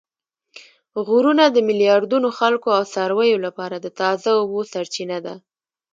غرونه د میلیاردونو خلکو او څارویو لپاره د تازه اوبو سرچینه ده